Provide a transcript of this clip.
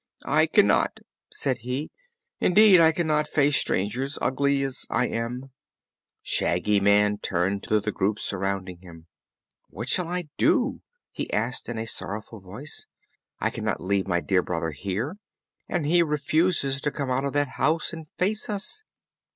"I cannot," said he; "indeed, I cannot face strangers, ugly as I am." Shaggy Man turned to the group surrounding him. "What shall I do?" he asked in sorrowful tones. "I cannot leave my dear brother here, and he refuses to come out of that house and face us."